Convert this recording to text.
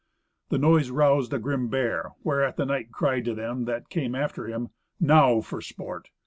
The noise roused a grim bear, whereat the knight cried to them that came after him, "Now for sport!